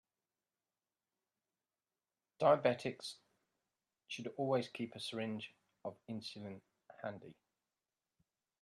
Diabetics should always keep a syringe of insulin handy.